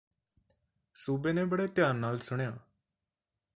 ਸੂਬੇ ਨੇ ਬੜੇ ਧਿਆਨ ਨਾਲ ਸੁਣਿਆਂ